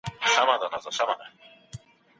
يو بل درک کړئ.